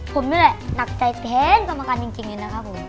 ผมนี่แหละหนักใจแทนกรรมการจริงเลยนะครับผม